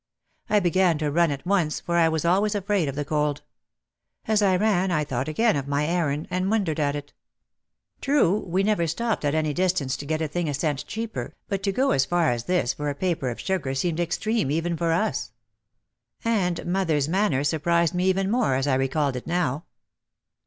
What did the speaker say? I began to run at once, for I was always afraid of the cold. As I ran I thought again of my errand and wondered at it. True, we never stopped at any distance to get a thing a cent cheaper, but to go as far as this for a paper of sugar seemed extreme even 200 OUT OF THE SHADOW for us. And mother's manner surprised me even more as I recalled it now.